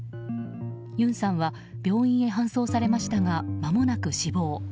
ユンさんは病院へ搬送されましたがまもなく死亡。